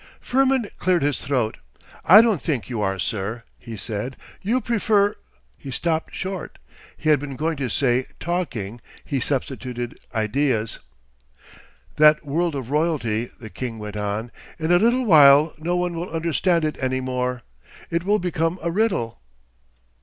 Firmin cleared his throat. 'I don't think you are, sir,' he said. 'You prefer——' He stopped short. He had been going to say 'talking.' He substituted 'ideas.' 'That world of royalty!' the king went on. 'In a little while no one will understand it any more. It will become a riddle....